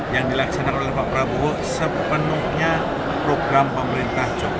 yang dilaksanakan oleh pak prabowo sepenuhnya program pemerintah jokowi